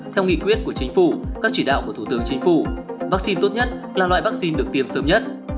theo nghị quyết của chính phủ các chỉ đạo của thủ tướng chính phủ vaccine tốt nhất là loại vaccine được tiêm sớm nhất